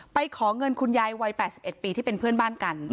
ขอเงินคุณยายวัย๘๑ปีที่เป็นเพื่อนบ้านกัน